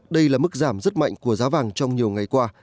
đây là mức giảm rất mạnh của giá vàng trong nhiều ngày qua